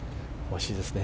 惜しいですね。